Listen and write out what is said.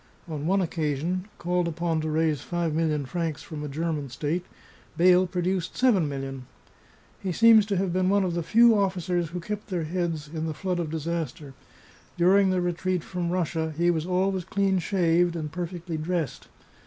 On one occasion, called upon to raise five million francs from a German state, Beyle produced seven millions. He seems to have been one of the few officers who kept their heads in the flood of disaster; during the retreat from Russia he was always clean shaved and perfectly dressed.